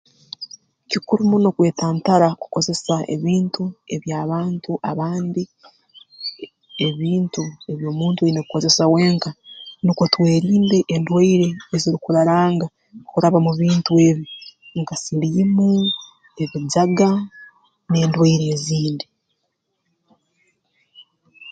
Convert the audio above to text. Kikuru muno kwetantara kukozesa ebintu ebi abantu abandi ee ebintu ebi omuntu oine kukozesa wenka nukwo twerinde endwaire ezirukuraranga kuraba mu bintu ebi nka siliimu ebijaga n'endwaire ezindi